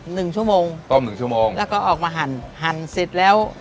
หนึ่งชั่วโมงต้มหนึ่งชั่วโมงแล้วก็ออกมาหั่นหั่นเสร็จแล้ว